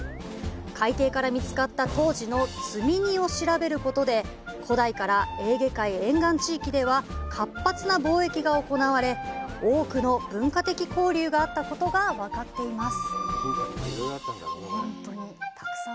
海底から見つかった当時の積荷を調べることで、古代からエーゲ海沿岸地域では活発な貿易が行われ、多くの文化的交流があったことが分かっています。